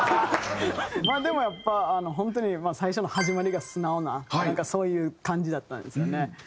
まあでもやっぱ本当に最初の始まりが素直ななんかそういう感じだったんですよね。